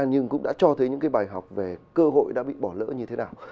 nhưng cũng đã cho thấy những cái bài học về cơ hội đã bị bỏ lỡ như thế nào